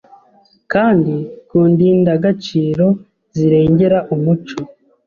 kandi ku ndindagaciro zirengera umuco,